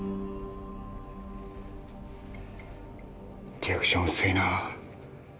リアクション薄いな